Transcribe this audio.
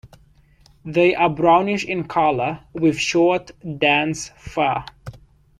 They are brownish in colour, with short, dense fur.